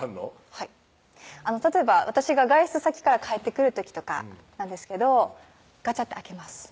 はい例えば私が外出先から帰ってくる時とかなんですけどガチャッて開けます